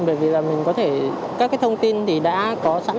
bởi vì các thông tin đã có sẵn